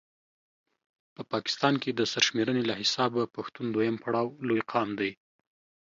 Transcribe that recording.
په پاکستان کې د سر شميرني له حسابه پښتون دویم پړاو لوي قام دی